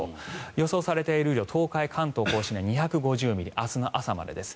予想されている雨量東海、関東・甲信で２５０ミリ明日の朝までです。